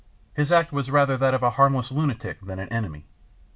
His act was rather that of a harmless lunatic than an enemy.